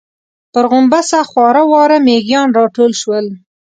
پر غومبسه خواره واره مېږيان راټول شول.